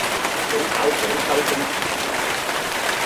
早搞早收工